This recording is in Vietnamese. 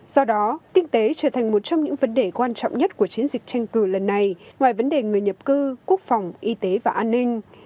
do đó kinh tế trở thành một trong những vấn đề quan trọng nhất của chiến dịch tranh cử lần này ngoài vấn đề người nhập cư quốc phòng y tế và an ninh